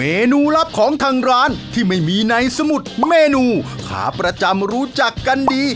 เมนูลับของทางร้านที่ไม่มีในสมุดเมนูขาประจำรู้จักกันดี